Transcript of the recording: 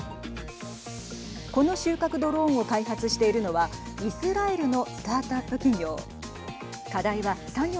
この収穫ドローンを開発しているのはイスラエルのスタートアップ企業。